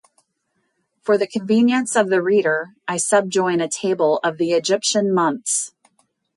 For the convenience of the reader, I subjoin a table of the Egyptian months.